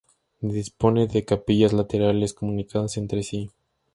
Dispone de capillas laterales comunicadas entre sí.